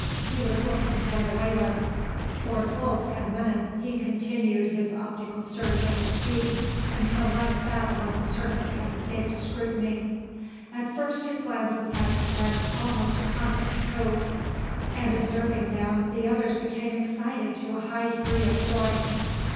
He was looking for the whaler. For full ten minutes he continued his optical search over the sea, until not a fathom of the surface had escaped his scrutiny. At first his glances had expressed almost a confident hope; and, observing them, the others became excited to a high degree of joy.